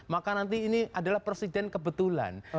maka nanti ini adalah presiden kebetulan